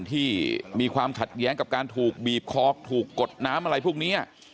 ที่มีความขัดแย้งกับการถูกบีบคอถูกกดน้ำอะไรพวกนี้